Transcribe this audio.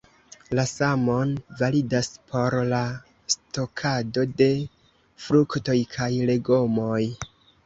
La samon validas por la stokado de fruktoj kaj legomoj.